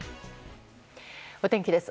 お天気です。